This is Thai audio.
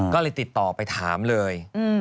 ก็เลยติดต่อไปถามเลย